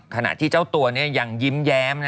ขณะที่เจ้าตัวยังยิ้มแย้ม